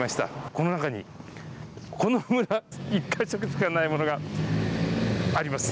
この中に、この村１か所にしかないものがあります。